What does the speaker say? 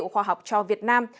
khoa học cho việt nam